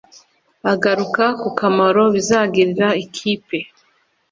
Agaruka ku kamaro bizagirira ikipe